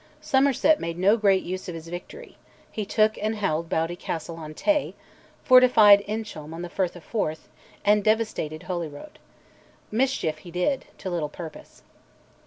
Somerset made no great use of his victory: he took and held Broughty Castle on Tay, fortified Inchcolme in the Firth of Forth, and devastated Holyrood. Mischief he did, to little purpose.